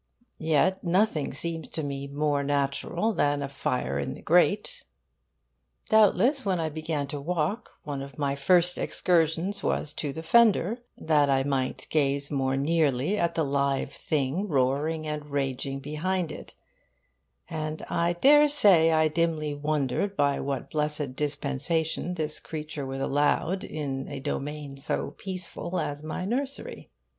Yet nothing seems to me more natural than a fire in the grate. Doubtless, when I began to walk, one of my first excursions was to the fender, that I might gaze more nearly at the live thing roaring and raging behind it; and I dare say I dimly wondered by what blessed dispensation this creature was allowed in a domain so peaceful as my nursery.